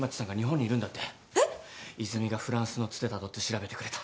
泉がフランスのつてたどって調べてくれた。